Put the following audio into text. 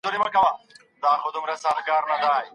پخوا سياسي ځواک د مستبدو مشرانو په لاس کي و.